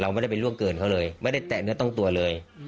ไม่ได้ไปล่วงเกินเขาเลยไม่ได้แตะเนื้อต้องตัวเลย